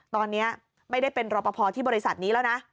ตอนนี้ไม่ได้เป็นรอปภที่บริษัทนี้แล้วนะ